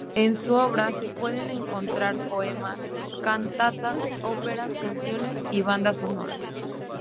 En su obra, se pueden encontrar poemas, cantatas, óperas, canciones, y bandas sonoras.